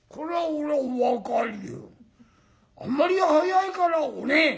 『あんまり早いからお寝え』。